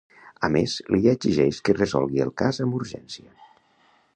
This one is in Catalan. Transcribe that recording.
A més, li exigeix que resolgui el cas amb urgència.